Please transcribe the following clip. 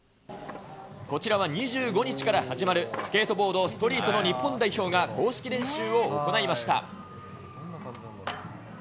こちらは２５日から始まるスケートボードストリートの日本代表が公式練習を行いました。